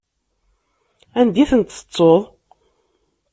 Anda i tent-tettuḍ?